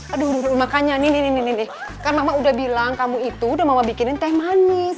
aduh makanya nih kan mama udah bilang kamu itu udah mama bikinin teh manis